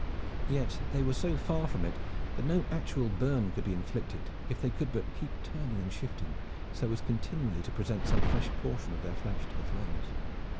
Yet they were so far from it that no actual burn would be inflicted if they could but keep turning and shifting so as continually to present some fresh portion of their flesh to the flames.